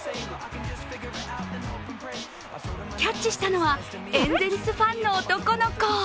キャッチしたのはエンゼルスファンの男の子。